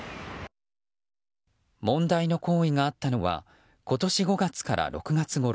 問題の行為があったのは今年５月から６月ごろ。